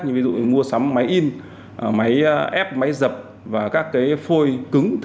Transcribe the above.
như ví dụ như mua sắm máy in máy ép máy dập và các cái phôi cứng